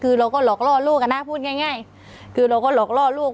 คือเราก็หลอกล่อลูกอ่ะนะพูดง่ายคือเราก็หลอกล่อลูก